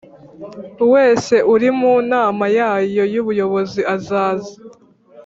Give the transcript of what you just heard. wese uri mu nama yayo y ubuyobozi azaza